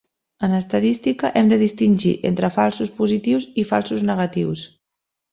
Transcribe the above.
En estadística hem de distingir entre falsos positius i falsos negatius.